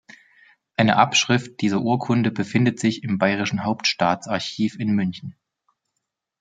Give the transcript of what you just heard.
Eine Abschrift dieser Urkunde befindet sich im Bayerischen Hauptstaatsarchiv in München.